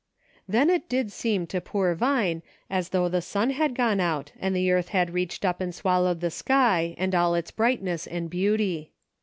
Then it did seem to poor Vine as though the sun had gone out and the earth had reached up and swallowed the sky, and all its brightness and beauty.